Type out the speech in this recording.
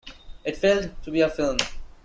It failed to be a film.